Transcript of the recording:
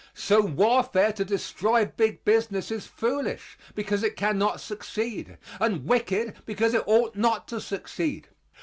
So warfare to destroy big business is foolish because it can not succeed and wicked because it ought not to succeed.